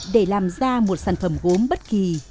để làm ra một sản phẩm gốm bất kỳ